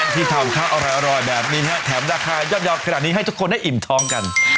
ที่ทำข้าวอร่อยแบบนี้นะฮะแถมราคายอดขนาดนี้ให้ทุกคนได้อิ่มท้องกัน